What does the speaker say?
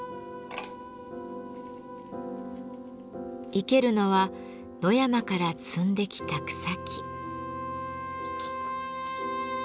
生けるのは野山から摘んできた草木。